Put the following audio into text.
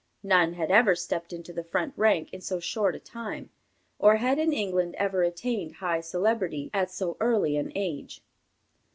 None had ever stepped into the front rank in so short a time, or had in England ever attained high celebrity at so early an age."